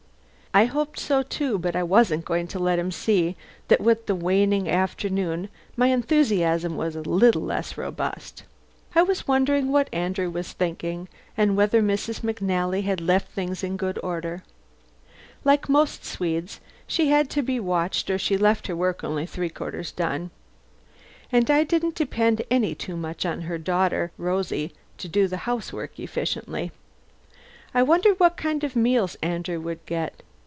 I hoped so, too, but I wasn't going to let him see that with the waning afternoon my enthusiasm was a little less robust. I was wondering what Andrew was thinking, and whether Mrs. McNally had left things in good order. Like most Swedes she had to be watched or she left her work only three quarters done. And I didn't depend any too much on her daughter Rosie to do the housework efficiently. I wondered what kind of meals Andrew would get.